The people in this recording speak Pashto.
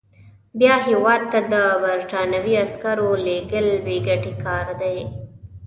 بیا هیواد ته د برټانوي عسکرو لېږل بې ګټې کار دی.